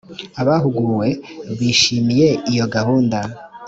abahuguwe bishimiye iyo gahunda